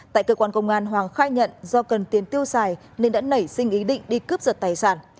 tại cơ quan công an hoàng khai nhận do cần tiền tiêu xài nên đã nảy sinh ý định đi cướp giật tài sản